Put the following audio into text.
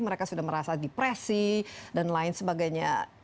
mereka sudah merasa depresi dan lain sebagainya